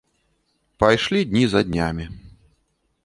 Пайшлі дні за днямі.